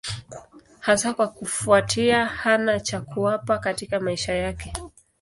Hasa kwa kufuatia hana cha kuwapa katika maisha yake.